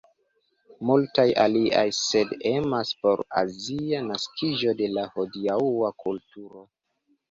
Multaj aliaj sed emas por azia naskiĝo de la hodiaŭa kulturo.